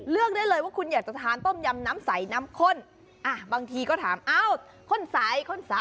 เลือกได้เลยว่าคุณอยากจะทานต้มยำน้ำใสน้ำข้นบางทีก็ถามอ้าวข้นใส